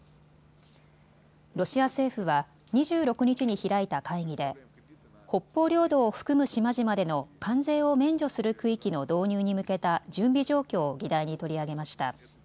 ロシア政府は２６日に開いた会議で北方領土を含む島々での関税を免除する区域の導入に向けた準備状況を議題に取り上げました。